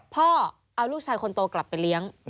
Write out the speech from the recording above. พ่อเอาลูกชายคนโตกลับไปเลี้ยง